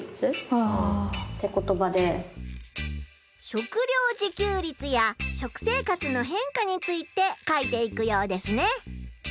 食料自給率や食生活のへんかについて書いていくようですね。